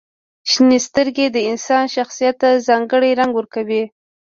• شنې سترګې د انسان شخصیت ته ځانګړې رنګ ورکوي.